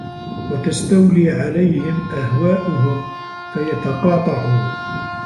وَتَسْتَوْلِي عَلَيْهِمْ أَهْوَاؤُهُمْ فَيَتَقَاطَعُوا